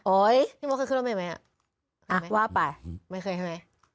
โอ้ยพี่โม๊คเคยขึ้นรถเมย์ไหมอะอ่ะว่าไปไม่เคยใช่ไหม